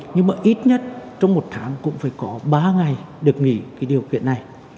nhưng mà ít nhất trong một tháng cũng phải có ba ngày được nghỉ cái điều kiện này